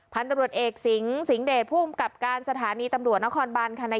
พันธุ์ตำรวจเอกสิงฆ์เสียงเดชน์ผู้อุ้มกับการสถานีตำรวจนครบัน